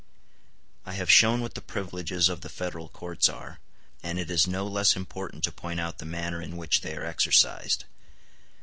I have shown what the privileges of the Federal courts are, and it is no less important to point out the manner in which they are exercised.